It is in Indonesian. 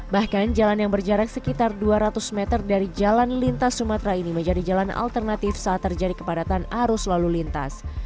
bahkan jalan yang berjarak sekitar dua ratus meter dari jalan lintas sumatera ini menjadi jalan alternatif saat terjadi kepadatan arus lalu lintas